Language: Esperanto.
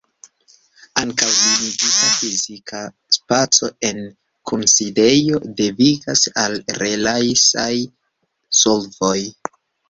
Ankaŭ limigita fizika spaco en kunsidejoj devigas al relajsaj solvoj.